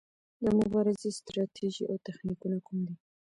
د مبارزې ستراتیژي او تخنیکونه کوم دي؟